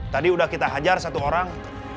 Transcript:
tadi udah kita hajar satu orang